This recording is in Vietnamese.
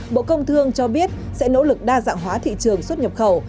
bộ công thương cho biết sẽ nỗ lực đa dạng hóa thị trường xuất nhập khẩu